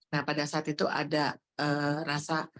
nah pada saat itu ada rasa